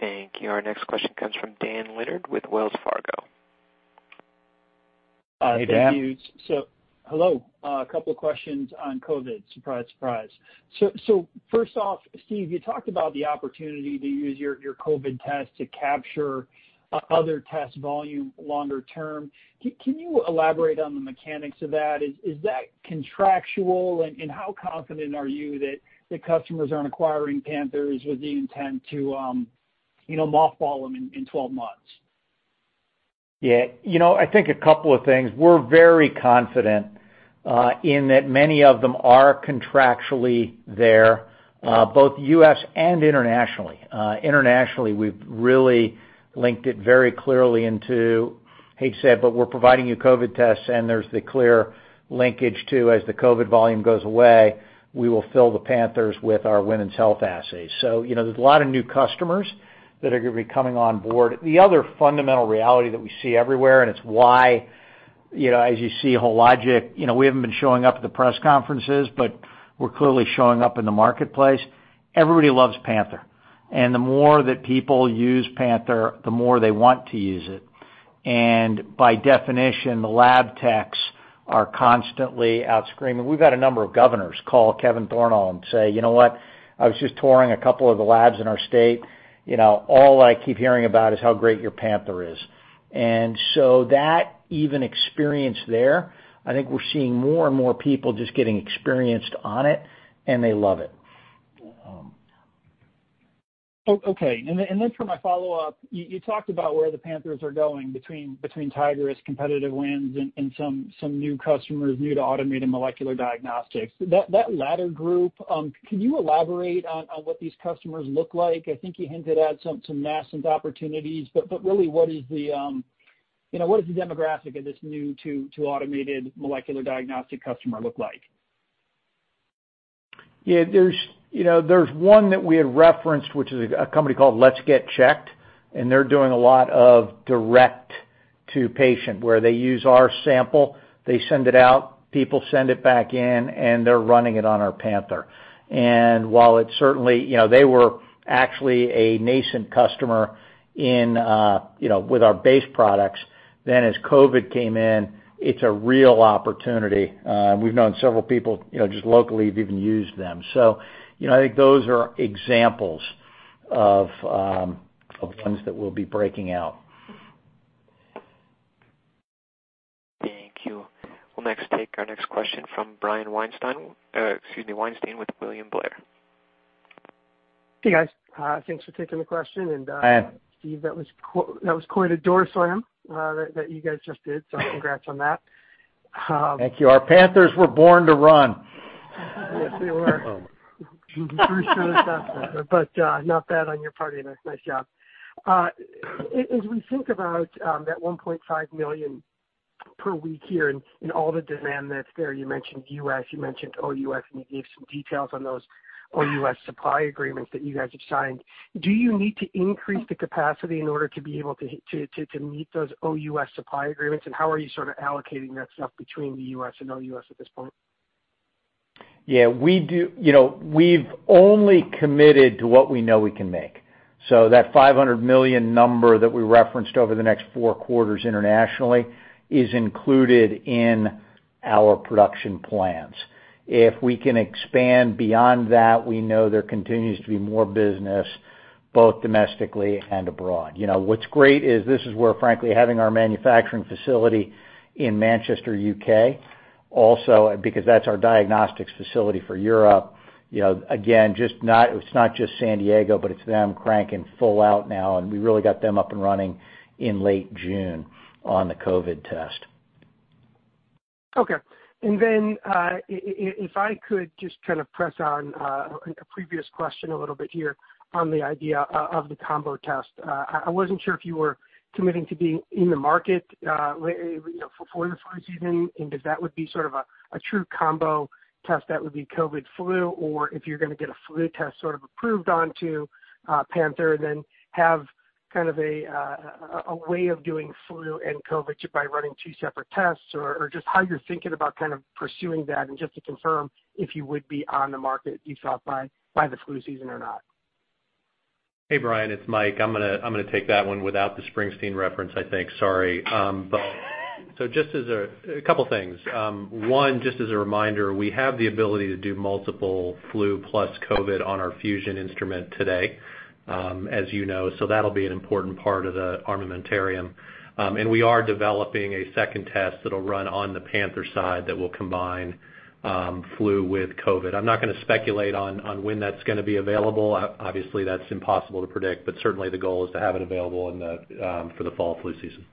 Thank you. Our next question comes from Dan Leonard with Wells Fargo. Hey, Dan. Thank you. Hello. A couple of questions on COVID. Surprise. First off, Steve, you talked about the opportunity to use your COVID test to capture other test volume longer term. Can you elaborate on the mechanics of that? Is that contractual, and how confident are you that the customers aren't acquiring Panthers with the intent to mothball them in 12 months? Yeah. I think a couple of things. We're very confident in that many of them are contractually there, both U.S. and internationally. Internationally, we've really linked it very clearly into hate to say, but we're providing you COVID tests, and there's the clear linkage to as the COVID volume goes away, we will fill the Panthers with our women's health assays. There's a lot of new customers that are going to be coming on board. The other fundamental reality that we see everywhere, and it's why, as you see Hologic, we haven't been showing up at the press conferences, but we're clearly showing up in the marketplace. Everybody loves Panther. The more that people use Panther, the more they want to use it. By definition, the lab techs are constantly out screaming. We've had a number of governors call Kevin Thornal and say, "You know what? I was just touring a couple of the labs in our state. All I keep hearing about is how great your Panther is. That even experience there, I think we're seeing more and more people just getting experienced on it, and they love it. Okay. Then for my follow-up, you talked about where the Panthers are going between Tigris competitive wins and some new customers new to automated molecular diagnostics. That latter group, can you elaborate on what these customers look like? I think you hinted at some nascent opportunities. Really, what is the demographic of this new to automated molecular diagnostic customer look like? Yeah, there's one that we had referenced, which is a company called LetsGetChecked, and they're doing a lot of direct to patient, where they use our sample, they send it out, people send it back in, and they're running it on our Panther. They were actually a nascent customer with our base products, then as COVID came in, it's a real opportunity. We've known several people, just locally, who've even used them. I think those are examples of ones that we'll be breaking out. Thank you. We'll next take our next question from Brian Weinstein with William Blair. Hey, guys. Thanks for taking the question. Hi. Steve, that was quite a door slam that you guys just did, so congrats on that. Thank you. Our Panthers were born to run. Yes, they were. Bruce Springsteen reference there, but not bad on your part either. Nice job. As we think about that $1.5 million per week here and all the demand that's there, you mentioned U.S., you mentioned OUS, and you gave some details on those OUS supply agreements that you guys have signed. Do you need to increase the capacity in order to be able to meet those OUS supply agreements, how are you sort of allocating that stuff between the U.S. and OUS at this point? Yeah, we've only committed to what we know we can make. That $500 million number that we referenced over the next four quarters internationally is included in our production plans. If we can expand beyond that, we know there continues to be more business both domestically and abroad. What's great is this is where, frankly, having our manufacturing facility in Manchester, U.K., also, because that's our diagnostics facility for Europe. Again, it's not just San Diego, but it's them cranking full out now, and we really got them up and running in late June on the COVID test. Okay. And then if I could just kind of press on a previous question a little bit here on the idea of the combo test. I wasn't sure if you were committing to being in the market for the flu season and if that would be sort of a true combo test that would be COVID/flu, or if you're going to get a flu test sort of approved onto Panther, then have kind of a way of doing flu and COVID by running two separate tests or just how you're thinking about kind of pursuing that and just to confirm if you would be on the market, as you saw, by the flu season or not? Hey, Brian, it's Mike. I'm going to take that one without the Springsteen reference, I think. Sorry. Just a couple things. One, just as a reminder, we have the ability to do multiple flu plus COVID on our Fusion instrument today, as you know. That'll be an important part of the armamentarium. We are developing a second test that'll run on the Panther side that will combine flu with COVID. I'm not going to speculate on when that's going to be available. Obviously, that's impossible to predict, but certainly the goal is to have it available for the fall flu season.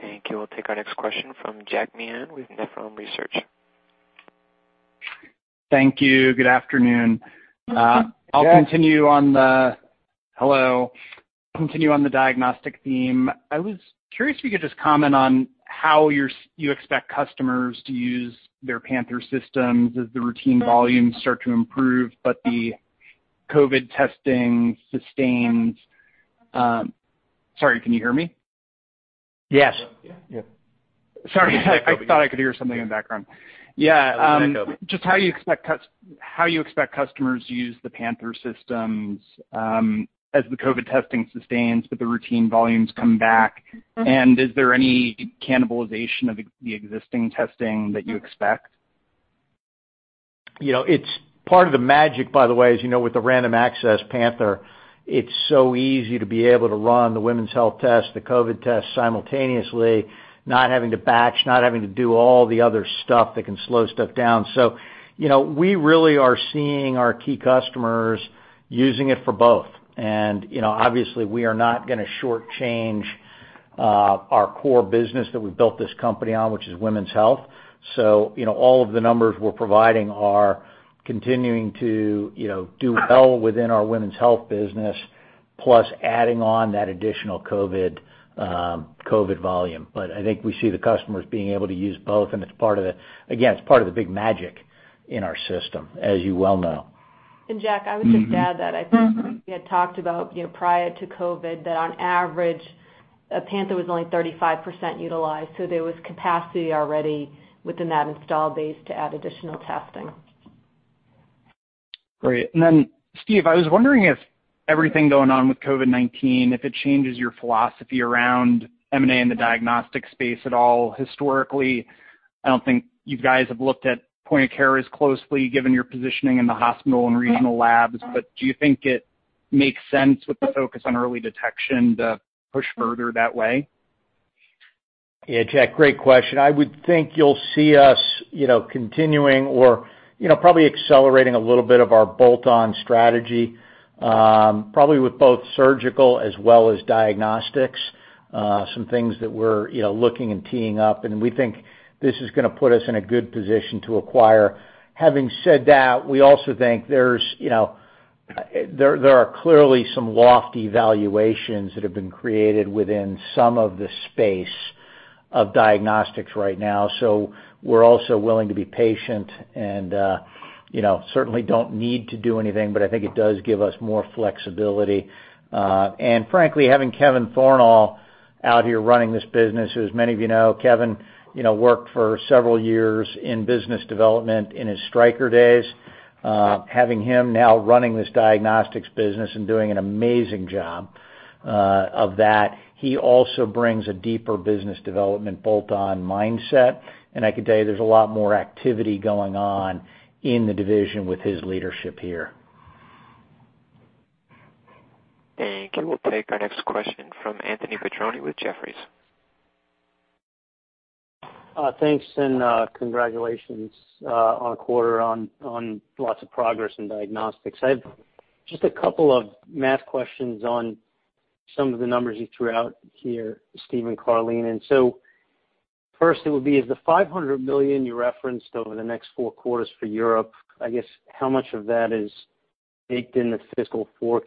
Thank you. We'll take our next question from Jack Meehan with Nephron Research. Thank you. Good afternoon. Jack. Hello. Continue on the diagnostic theme. I was curious if you could just comment on how you expect customers to use their Panther systems as the routine volumes start to improve, but the COVID testing sustains. Sorry, can you hear me? Yes. Yeah. Sorry, I thought I could hear something in the background. Yeah. That was echo. Just how you expect customers to use the Panther systems as the COVID testing sustains, but the routine volumes come back. Is there any cannibalization of the existing testing that you expect? Part of the magic, by the way, as you know, with the random access Panther, it's so easy to be able to run the women's health test, the COVID test simultaneously, not having to batch, not having to do all the other stuff that can slow stuff down. We really are seeing our key customers using it for both. Obviously we are not going to short change our core business that we built this company on, which is women's health. All of the numbers we're providing are continuing to do well within our women's health business, plus adding on that additional COVID volume. I think we see the customers being able to use both, and it's part of the big magic in our system, as you well know. Jack, I would just add that I think we had talked about, prior to COVID, that on average, a Panther was only 35% utilized. There was capacity already within that installed base to add additional testing. Great. Steve, I was wondering if everything going on with COVID-19, if it changes your philosophy around M&A in the diagnostic space at all. Historically, I don't think you guys have looked at point of care as closely given your positioning in the hospital and regional labs. Do you think it makes sense with the focus on early detection to push further that way? Yeah, Jack, great question. I would think you'll see us continuing or probably accelerating a little bit of our bolt-on strategy, probably with both surgical as well as diagnostics. Some things that we're looking and teeing up, and we think this is going to put us in a good position to acquire. Having said that, we also think there are clearly some lofty valuations that have been created within some of the space of diagnostics right now. We're also willing to be patient and certainly don't need to do anything, but I think it does give us more flexibility. Frankly, having Kevin Thornal out here running this business, as many of you know, Kevin worked for several years in business development in his Stryker days. Having him now running this diagnostics business and doing an amazing job of that, he also brings a deeper business development bolt-on mindset. I can tell you there's a lot more activity going on in the division with his leadership here. Thank you. We'll take our next question from Anthony Petrone with Jefferies. Thanks and congratulations on quarter on lots of progress in diagnostics. I have just a couple of math questions on some of the numbers you threw out here, Steve and Karleen. First it would be as the $500 million you referenced over the next four quarters for Europe, I guess how much of that is baked in the fiscal 4Q?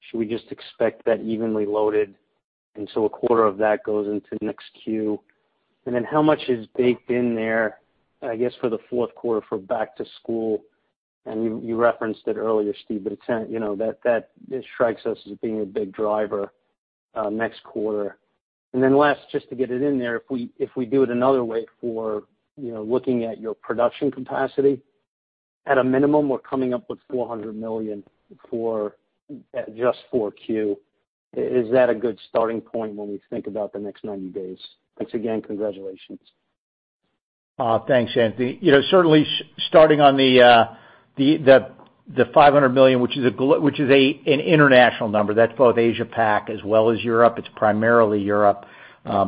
Should we just expect that evenly loaded, and so a quarter of that goes into next Q? How much is baked in there, I guess, for the fourth quarter for back to school? You referenced it earlier, Steve, but it strikes us as being a big driver next quarter. Last, just to get it in there, if we do it another way for looking at your production capacity, at a minimum, we're coming up with $400 million for just 4Q. Is that a good starting point when we think about the next 90 days? Once again, congratulations. Thanks, Anthony. Certainly starting on the $500 million, which is an international number. That's both Asia Pac as well as Europe. It's primarily Europe,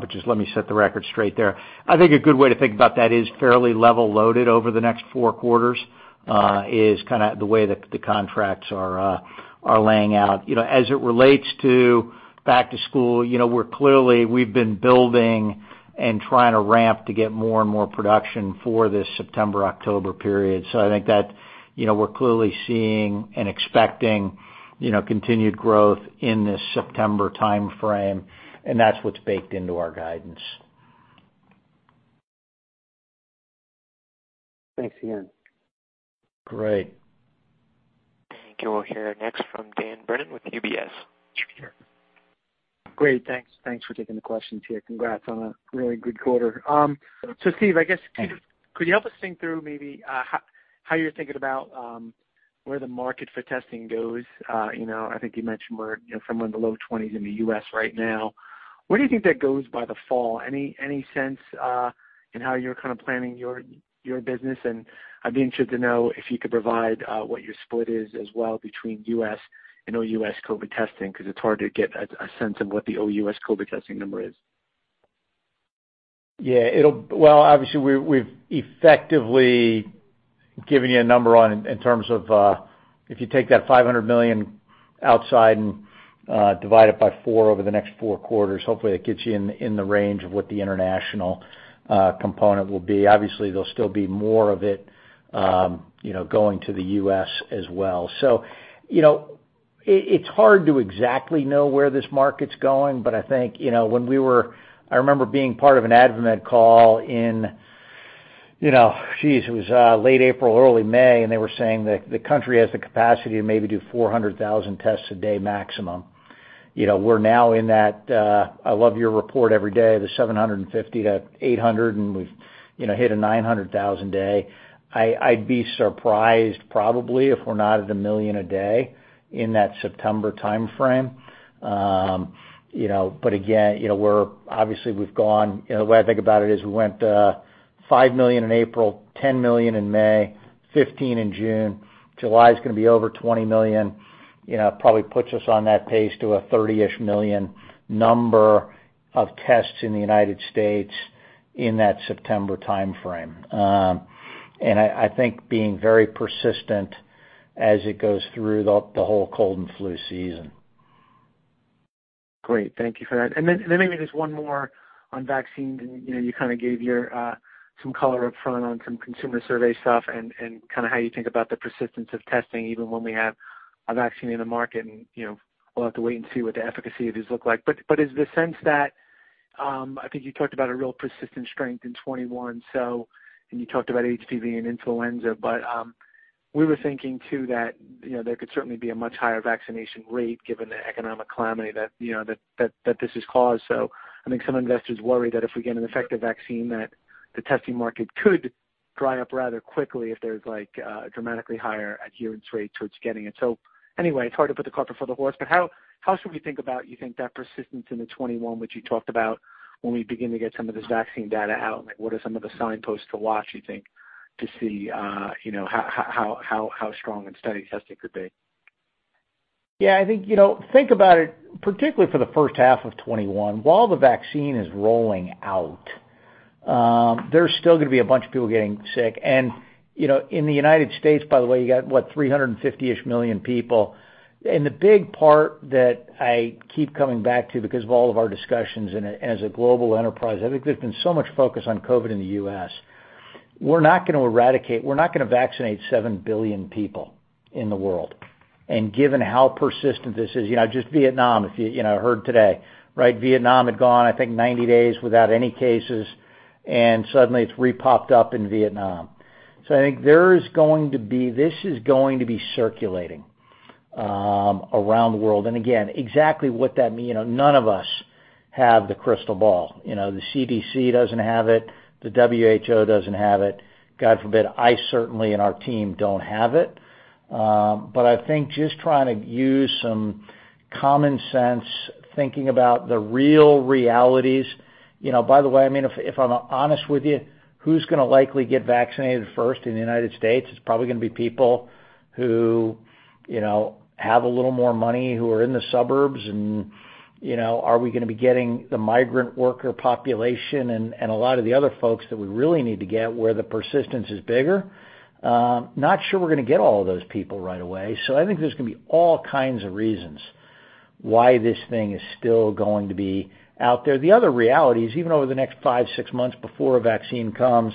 just let me set the record straight there. I think a good way to think about that is fairly level loaded over the next four quarters, is kind of the way that the contracts are laying out. As it relates to back to school, we've been building and trying to ramp to get more and more production for this September-October period. I think that we're clearly seeing and expecting continued growth in this September timeframe, and that's what's baked into our guidance. Thanks again. Great. Thank you. We'll hear next from Dan Brennan with UBS. Great. Thanks for taking the questions here. Congrats on a really good quarter. Steve, I guess, could you help us think through maybe how you're thinking about where the market for testing goes. I think you mentioned we're somewhere in the low 20s in the U.S. right now. Where do you think that goes by the fall? Any sense in how you're kind of planning your business? I'd be interested to know if you could provide what your split is as well between U.S. and OUS COVID testing, because it's hard to get a sense of what the OUS COVID testing number is. Yeah. Obviously, we've effectively given you a number in terms of if you take that $500 million outside and divide it by four over the next four quarters, hopefully that gets you in the range of what the international component will be. Obviously, there'll still be more of it going to the U.S. as well. It's hard to exactly know where this market's going, but I think, I remember being part of an AdvaMed call in, geez, it was late April, early May, and they were saying that the country has the capacity to maybe do 400,000 tests a day maximum. We're now in that, I love your report every day, the 750-800, and we've hit a 900,000 day. I'd be surprised probably if we're not at 1 million a day in that September timeframe. Again, the way I think about it is we went 5 million in April, 10 million in May, 15 in June. July's going to be over 20 million, probably puts us on that pace to a 30-ish million number of tests in the United States in that September timeframe. I think being very persistent as it goes through the whole cold and flu season. Great. Thank you for that. Then maybe just one more on vaccines. You kind of gave some color upfront on some consumer survey stuff and kind of how you think about the persistence of testing, even when we have a vaccine in the market, and we'll have to wait and see what the efficacy of these look like. Is the sense that, I think you talked about a real persistent strength in 2021, and you talked about HPV and influenza, but we were thinking too that there could certainly be a much higher vaccination rate given the economic calamity that this has caused. I think some investors worry that if we get an effective vaccine, that the testing market could dry up rather quickly if there's a dramatically higher adherence rate towards getting it. It's hard to put the cart before the horse, but how should we think about, you think that persistence into 2021, which you talked about when we begin to get some of this vaccine data out, like what are some of the signposts to watch, you think, to see how strong and steady testing could be? I think about it, particularly for the first half of 2021, while the vaccine is rolling out, there's still going to be a bunch of people getting sick. In the United States, by the way, you got what? 350-ish million people. The big part that I keep coming back to because of all of our discussions and as a global enterprise, I think there's been so much focus on COVID in the U.S. We're not going to eradicate, we're not going to vaccinate 7 billion people in the world. Given how persistent this is, just Vietnam, if you heard today, right, Vietnam had gone, I think, 90 days without any cases, and suddenly it's re-popped up in Vietnam. I think this is going to be circulating around the world. Again, exactly what that means, none of us have the crystal ball. The CDC doesn't have it. The WHO doesn't have it. God forbid, I certainly and our team don't have it. I think just trying to use some common sense, thinking about the real realities. By the way, if I'm honest with you, who's going to likely get vaccinated first in the United States? It's probably going to be people who have a little more money, who are in the suburbs, and are we going to be getting the migrant worker population and a lot of the other folks that we really need to get where the persistence is bigger? Not sure we're going to get all of those people right away. I think there's going to be all kinds of reasons why this thing is still going to be out there. The other reality is, even over the next five, six months before a vaccine comes,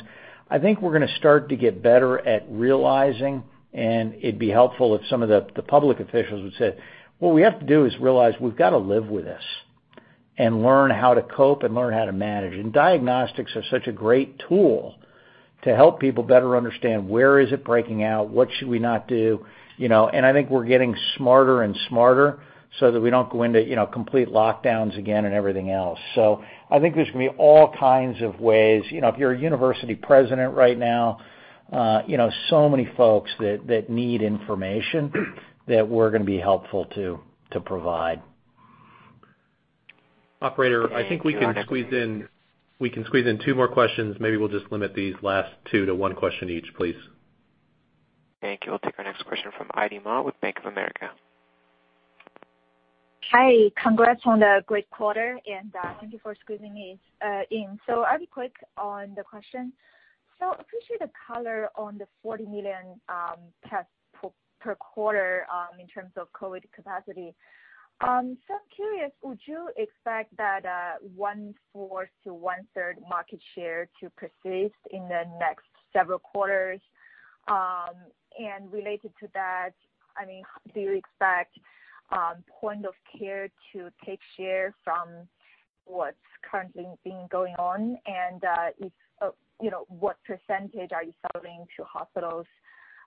I think we're going to start to get better at realizing, and it'd be helpful if some of the public officials would say, "What we have to do is realize we've got to live with this and learn how to cope and learn how to manage." Diagnostics are such a great tool to help people better understand where is it breaking out, what should we not do, and I think we're getting smarter and smarter so that we don't go into complete lockdowns again and everything else. I think there's going to be all kinds of ways. If you're a university president right now, so many folks that need information that we're going to be helpful to provide. Operator, I think we can squeeze in two more questions. Maybe we'll just limit these last two to one question each, please. Thank you. We'll take our next question from Ivy Ma with Bank of America. Hi. Congrats on the great quarter, thank you for squeezing me in. I'll be quick on the question. Appreciate the color on the 40 million tests per quarter in terms of COVID capacity. I'm curious, would you expect that 1/4 to 1/3 market share to persist in the next several quarters? Related to that, do you expect point of care to take share from what's currently been going on, and what percentage are you selling to hospitals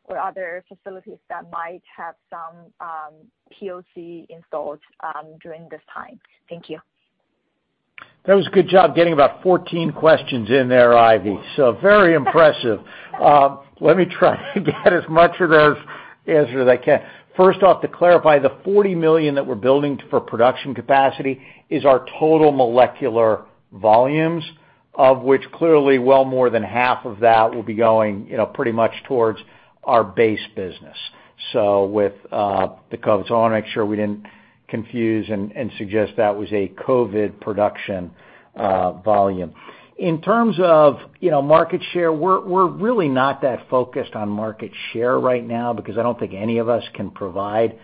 or other facilities that might have some POC installs during this time? Thank you. That was a good job getting about 14 questions in there, Ivy. Very impressive. Let me try to get as much of those answered as I can. First off, to clarify, the 40 million that we're building for production capacity is our total molecular volumes, of which clearly well more than half of that will be going pretty much towards our base business. With the COVID. I want to make sure we didn't confuse and suggest that was a COVID production volume. In terms of market share, we're really not that focused on market share right now because I don't think any of us can provide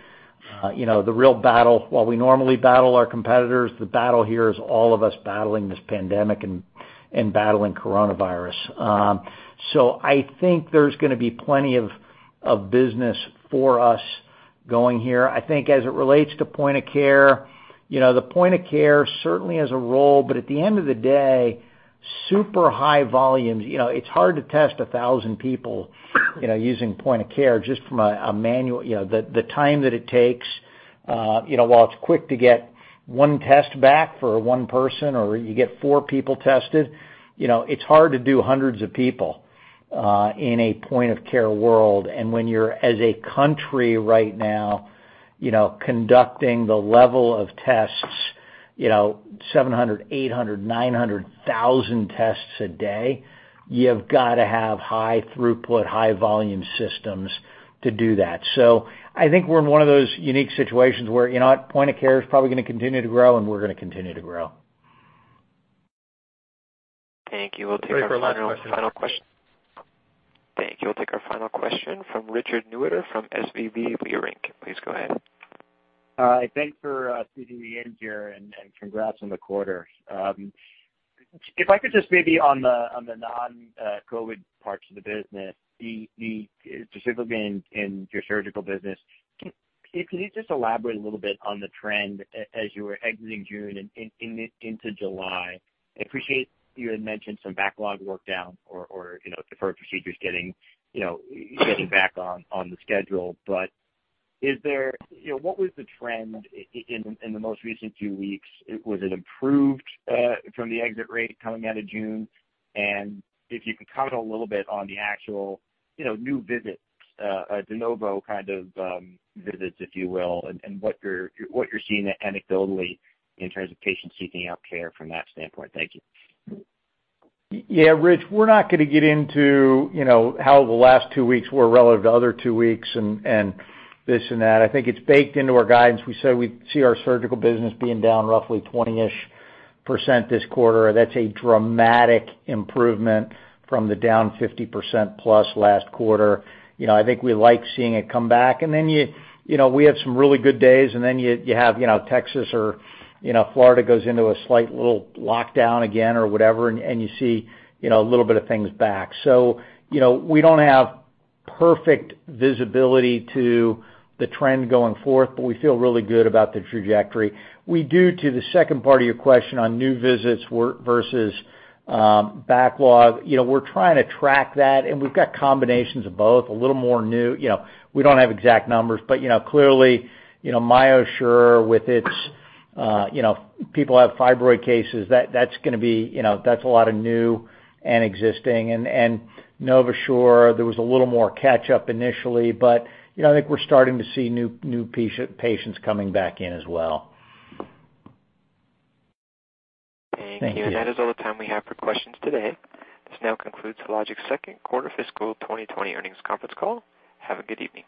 the real battle. While we normally battle our competitors, the battle here is all of us battling this pandemic and battling coronavirus. I think there's going to be plenty of business for us going here. I think as it relates to point of care, the point of care certainly has a role, but at the end of the day, super high volumes. It's hard to test 1,000 people using point of care just from the time that it takes. While it's quick to get one test back for one person or you get four people tested, it's hard to do hundreds of people in a point of care world. When you're as a country right now conducting the level of tests 700, 800, 900,000 tests a day, you have got to have high throughput, high volume systems to do that. I think we're in one of those unique situations where point of care is probably going to continue to grow and we're going to continue to grow. Thank you. We'll take our final question. Ready for our last question. Thank you. We'll take our final question from Richard Newitter from SVB Leerink. Please go ahead. Thanks for letting me in here. Congrats on the quarter. If I could just maybe on the non-COVID parts of the business, specifically in your surgical business, can you just elaborate a little bit on the trend as you were exiting June and into July? I appreciate you had mentioned some backlog work down or deferred procedures getting back on the schedule. What was the trend in the most recent few weeks? Was it improved from the exit rate coming out of June? If you could comment a little bit on the actual new visits, de novo kind of visits, if you will, and what you're seeing anecdotally in terms of patients seeking out care from that standpoint. Thank you. Rich, we're not going to get into how the last two weeks were relative to other two weeks and this and that. I think it's baked into our guidance. We said we see our surgical business being down roughly 20-ish percent this quarter. That's a dramatic improvement from the down 50% plus last quarter. I think we like seeing it come back. Then we have some really good days, and then you have Texas or Florida goes into a slight little lockdown again or whatever, and you see a little bit of things back. We don't have perfect visibility to the trend going forth, but we feel really good about the trajectory. We do to the second part of your question on new visits versus backlog. We're trying to track that, and we've got combinations of both, a little more new. We don't have exact numbers, clearly MyoSure with its, you know, people have fibroid cases, that's a lot of new and existing. NovaSure, there was a little more catch up initially, but I think we're starting to see new patients coming back in as well. Thank you. That is all the time we have for questions today. This now concludes Hologic's second quarter fiscal 2020 earnings conference call. Have a good evening.